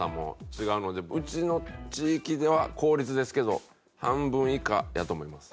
うちの地域では公立ですけど半分以下やと思います。